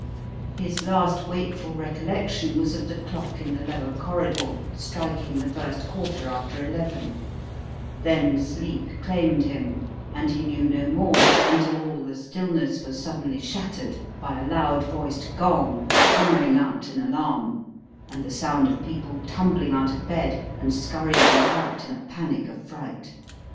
His last wakeful recollection was of the clock in the lower corridor striking the first quarter after eleven; then sleep claimed him, and he knew no more until all the stillness was suddenly shattered by a loud voiced gong hammering out an alarm and the sound of people tumbling out of bed and scurrying about in a panic of fright.